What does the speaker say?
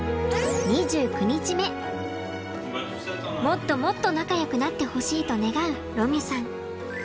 もっともっと仲よくなってほしいと願うロミュさん。